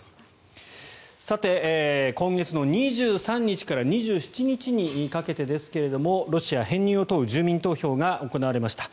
今月２３日から２７日にかけてですがロシア編入を問う住民投票が行われました。